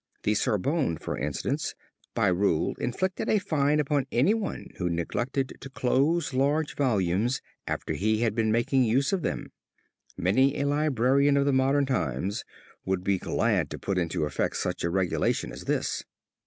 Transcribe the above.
The Sorbonne for instance by rule inflicted a fine upon anyone who neglected to close large volumes after he had been making use of them. Many a librarian of the modern times would be glad to put into effect such a regulation as this.